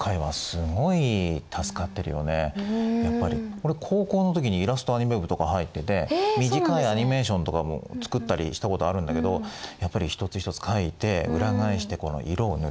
俺高校の時にイラストアニメ部とか入ってて短いアニメーションとかも作ったりしたことあるんだけどやっぱり一つ一つ描いて裏返して色を塗る。